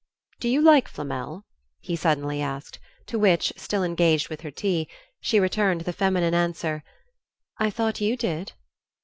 "Do you like Flamel?" he suddenly asked; to which, still engaged with her tea, she returned the feminine answer "I thought you did."